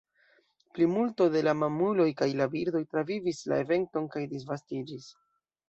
Plimulto de la mamuloj kaj la birdoj travivis la eventon kaj disvastiĝis.